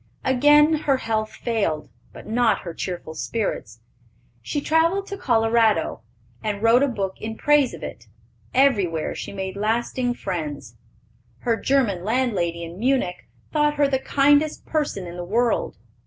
Again her health failed, but not her cheerful spirits. She travelled to Colorado, and wrote a book in praise of it. Everywhere she made lasting friends. Her German landlady in Munich thought her the kindest person in the world.